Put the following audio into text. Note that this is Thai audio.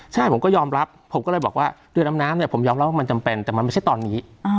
ใช่ผมก็ยอมรับผมก็เลยบอกว่าเรือดำน้ำเนี่ยผมยอมรับว่ามันจำเป็นแต่มันไม่ใช่ตอนนี้